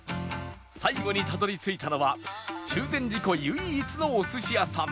最後にたどり着いたのは中禅寺湖唯一のお寿司屋さん